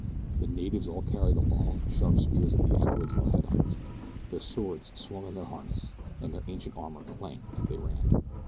The natives all carried the long, sharp spears of the aboriginal head hunters. Their swords swung in their harness, and their ancient armor clanked as they ran.